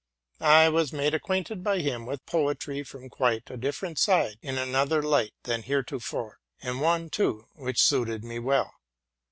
I was made acquainted by him with poetry from quite a different side, in another light than heretofore, and one, too, which suited me well.